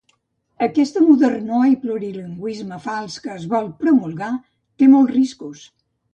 Aquesta “modernor” i “plurilingüisme” fals que es vol promulgar té molts de riscos.